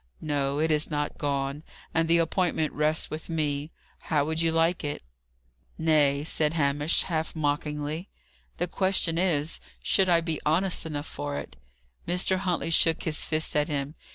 "No, it is not gone. And the appointment rests with me. How would you like it?" "Nay," said Hamish, half mockingly: "the question is, should I be honest enough for it?" Mr. Huntley shook his fist at him.